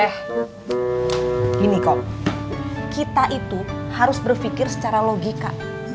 teh gini kom kita itu harus berpikir secara logika